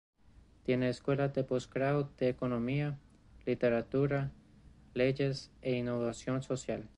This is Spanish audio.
Tiene escuelas de posgrado de Economía, Literatura, Leyes e Innovación social.